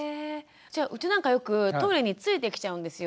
じゃうちなんかよくトイレについてきちゃうんですよ。